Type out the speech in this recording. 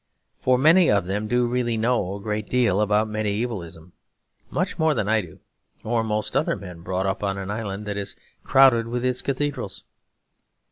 For many of them do really know a great deal about mediaevalism; much more than I do, or most other men brought up on an island that is crowded with its cathedrals.